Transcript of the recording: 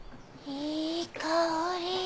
いい香り！